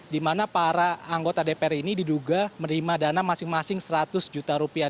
di mana para anggota dpr ini diduga menerima dana masing masing seratus juta rupiah